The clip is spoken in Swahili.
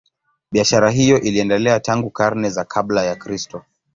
Biashara hiyo iliendelea tangu karne za kabla ya Kristo.